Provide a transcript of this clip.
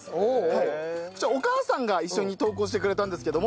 こちらお母さんが一緒に投稿してくれたんですけども。